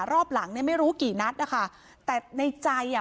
รอบหลังเนี่ยไม่รู้กี่นัดนะคะแต่ในใจอ่ะ